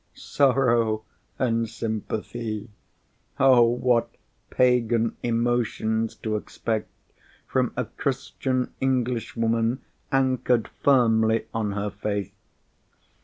Sorrow and sympathy! Oh, what Pagan emotions to expect from a Christian Englishwoman anchored firmly on her faith!